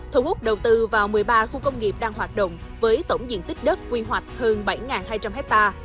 thu hút đầu tư vào một mươi ba khu công nghiệp đang hoạt động với tổng diện tích đất quy hoạch hơn bảy hai trăm linh ha